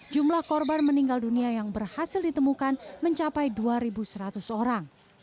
jumlah korban meninggal dunia yang berhasil ditemukan mencapai dua seratus orang